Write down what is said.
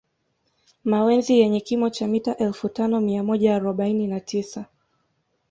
Mawenzi yenye kimo cha mita elfu tano mia moja arobaini na tisa